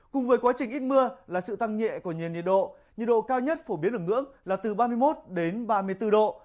cùng với quá trình ít mưa là sự tăng nhẹ của nền nhiệt độ nhiệt độ cao nhất phổ biến ở ngưỡng là từ ba mươi một đến ba mươi bốn độ